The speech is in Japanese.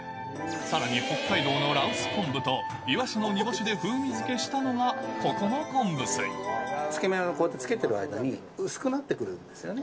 さらに、北海道の羅臼昆布とイワシの煮干しで風味づけしたのが、ここの昆つけ麺は、こうやってつけてる間に、薄くなってくるんですよね。